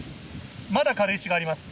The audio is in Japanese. まだ軽石があります。